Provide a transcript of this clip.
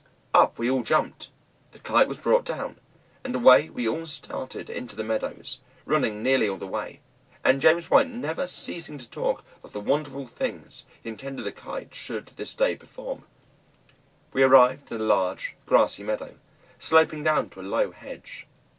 Up we all jumped, the Kite was brought down, and away we all started into the meadows, running nearly all the way, and James White never ceasing to talk of the wonderful things he intended the Kite should this day perform. We arrived in a large, grassy meadow, sloping down to a low hedge.